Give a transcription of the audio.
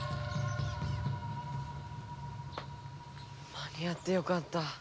間に合ってよかった。